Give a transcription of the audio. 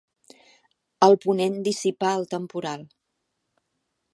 El ponent dissipà el temporal.